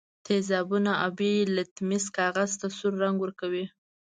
تیزابونه آبي لتمس کاغذ ته سور رنګ ورکوي.